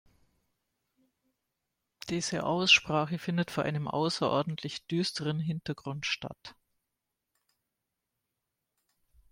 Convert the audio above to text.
Diese Aussprache findet vor einem außerordentlich düsteren Hintergrund statt.